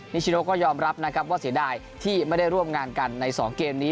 นิชโนก็ยอมรับนะครับว่าเสียดายที่ไม่ได้ร่วมงานกันใน๒เกมนี้